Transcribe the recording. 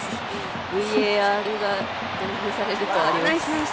ＶＡＲが導入されて、あります。